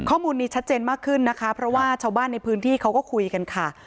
ข้อมูลนี้ชัดเจนมากขึ้นนะคะเพราะว่าชาวบ้านในพื้นที่เขาก็คุยกันค่ะ